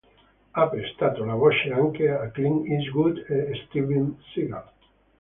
Ha prestato la voce anche a Clint Eastwood e Steven Seagal.